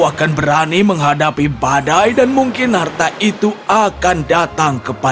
akan berani menghadapi badai dan mungkin harta itu akan datang kepada